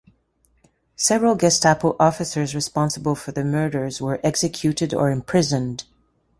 Several Gestapo officers responsible for the murders were executed or imprisoned.